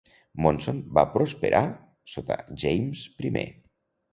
Monson va prosperar sota James I.